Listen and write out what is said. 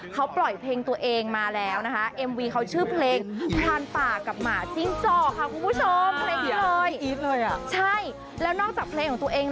เขาปล่อยเพลงตัวเองมาแล้วนะคะเอ็มวีเขาชื่อเพลง